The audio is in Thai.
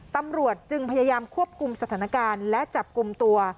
ตำรวจจึงพยายามควบคุมสถานการณ์และจับกลุ่มตัว